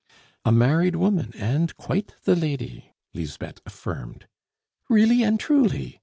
"A married woman, and quite the lady," Lisbeth affirmed. "Really and truly?"